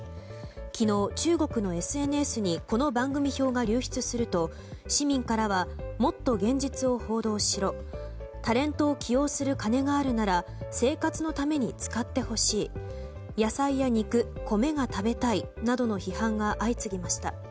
昨日、中国のＳＮＳにこの番組表が流出すると市民からはもっと現実を報道しろタレントを起用する金があるなら生活のために使ってほしい野菜や肉、米が食べたいなどの批判が相次ぎました。